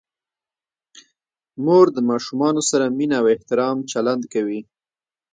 مور د ماشومانو سره مینه او احترام چلند کوي.